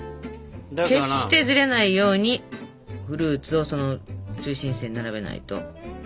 決してずれないようにフルーツをその中心線に並べないと。